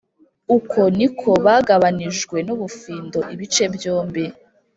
Uko ni ko bagabanijwe n ubufindo ibice byombi